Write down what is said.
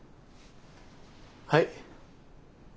はい。